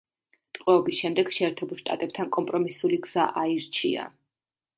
ტყვეობის შემდეგ შეერთებულ შტატებთან კომპრომისული გზა აირჩია.